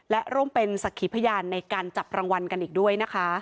และร่วมเป็นสักขีพยานในการจับรางวัลกันอีกด้วยนะคะ